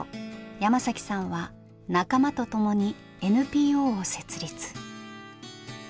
山さんは仲間と共にＮＰＯを設立。